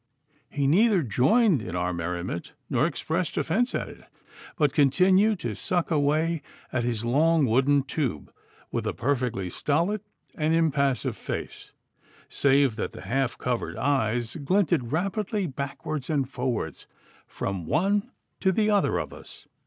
He neither joined in our merriment nor expressed offence at it, but continued to suck away at his long wooden tube with a perfectly stolid and impassive face, save that the half covered eyes glinted rapidly backwards and forwards from one to the other of us.